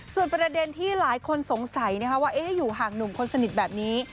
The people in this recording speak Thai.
ส่วนประเด็นที่หลายคนสงสัยว่าอยู่ห่างหนุ่มคนสนิทแบบนี้